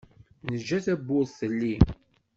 Neǧǧa tawwurt telli.